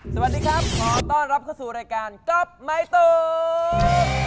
สวัสดีครับขอต้อนรับเข้าสู่รายการกับไม้ตุ๊ก